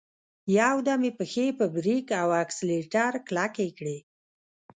يودم يې پښې په بريک او اکسلېټر کلکې کړې.